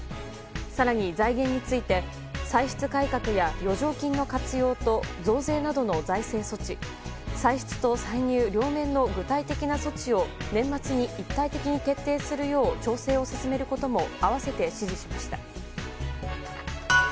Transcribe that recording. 更に財源について、歳出改革や余剰金の活用と増税などの財政措置歳出と歳入両面の具体的な措置を年末に一体的に決定するよう調整を進めることも併せて指示しました。